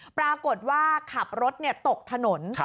ปรากฏว่าขับรถตกถนน